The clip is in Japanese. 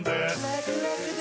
ラクラクだ！